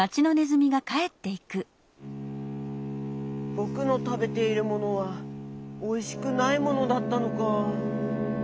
「ぼくのたべているものはおいしくないものだったのか。